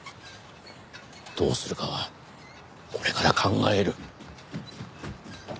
どうするかはこれから考える。